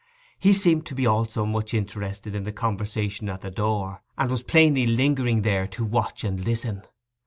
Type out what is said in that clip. He seemed to be also much interested in the conversation at the door, and was plainly lingering there to watch and listen.